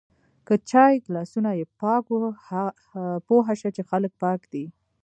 که چای ګلاسونه یی پاک و پوهه شه چی خلک پاک دی